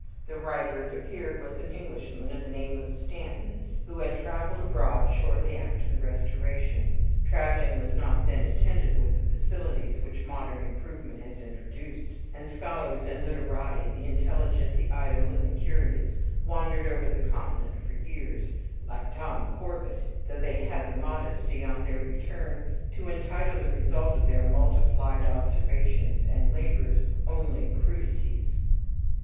The writer, it appeared, was an Englishman of the name of Stanton, who had traveled abroad shortly after the Restoration. Traveling was not then attended with the facilities which modern improvement has introduced, and scholars and literati, the intelligent, the idle, and the curious, wandered over the Continent for years, like Tom Corvat, though they had the modesty, on their return, to entitle the result of their multiplied observations and labors only "crudities."